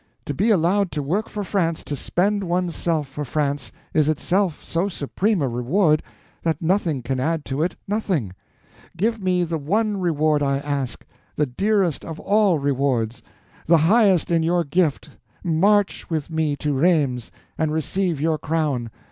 To be allowed to work for France, to spend one's self for France, is itself so supreme a reward that nothing can add to it—nothing. Give me the one reward I ask, the dearest of all rewards, the highest in your gift—march with me to Rheims and receive your crown.